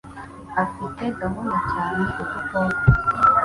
Afite gukunda cyane udukoko.